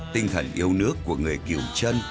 tinh thần yêu nước của người cựu